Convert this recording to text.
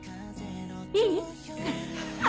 いい？